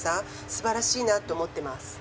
素晴らしいなと思ってます。